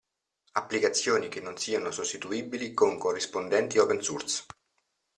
Applicazioni che non siano sostituibili con corrispondenti open source.